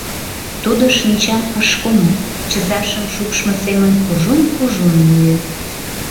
Тудо шинчам ыш кумо, чызашым шупшмо семын кужун-кужун йӱӧ.